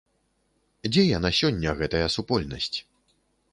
Дзе яна сёння, гэтая супольнасць?